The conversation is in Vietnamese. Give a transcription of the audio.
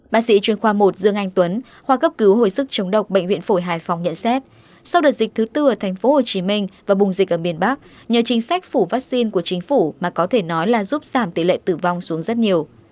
bác sĩ chuyên khoa một dương anh tuấn khoa cấp cứu hồi sức chống độc bệnh viện phổi hải phòng nhận xét sau đợt dịch thứ tư ở tp hcm và bùng dịch ở miền bắc nhờ chính sách phủ vaccine của chính phủ mà có thể nói là giúp giảm tỷ lệ tử vong xuống rất nhiều